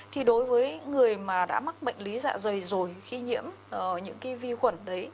thì đối với người mà đã mắc bệnh lý dạ dày rồi khi nhiễm những vi khuẩn đấy